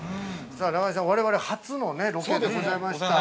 ◆さあ、我々初のロケでございました。